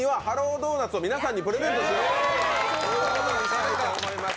ＤＯＮＵＴＳを皆さんにプレゼントするということにしたいと思います。